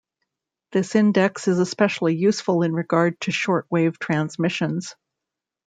This index is especially useful in regard to shortwave transmissions.